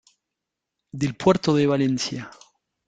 del puerto de Valencia.